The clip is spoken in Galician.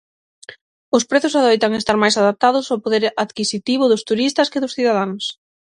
Os prezos adoitan estar máis adaptados ao poder adquisitivo dos turistas que dos cidadáns.